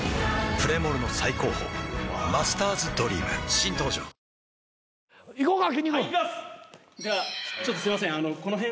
プレモルの最高峰「マスターズドリーム」新登場ワオいこうか。